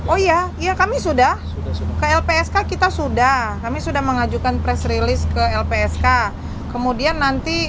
oh iya iya kami sudah ke lpsk kita sudah kami sudah mengajukan press release ke lpsk kemudian nanti